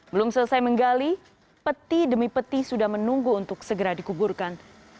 belum selesai menggali peti demi peti sudah menunggu untuk segera dikuburkan